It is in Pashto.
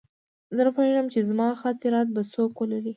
زه نه پوهېږم چې زما خاطرات به څوک ولولي